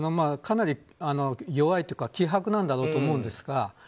かなり弱いというか希薄なんだろうと思うんですが。